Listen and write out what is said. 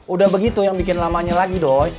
udah begitu yang bikin lamanya lagi dong